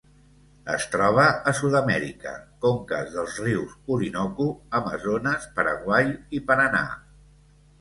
Es troba a Sud-amèrica: conques dels rius Orinoco, Amazones, Paraguai i Paranà.